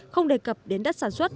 không đề cập đến đất sản xuất